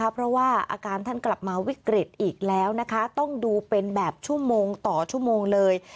เพราะว่าอาการท่านกลับมาวิกฤตอีกแล้วนะคะต้องดูเป็นแบบชั่วโมงต่อชั่วโมงเลย